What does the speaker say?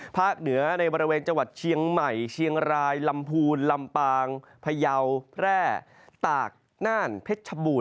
ภาคเหนือในบริเวณเจาะเชียงใหม่เชียงรายลำพูลลำปางพายาวแร่ตากน่านเพชบวูล